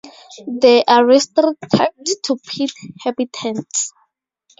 They are restricted to peat habitats.